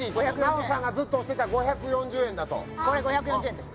ナヲさんが推してた５４０円だとこれ５４０円です